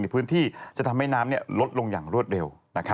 ในพื้นที่จะทำให้น้ำลดลงอย่างรวดเร็ว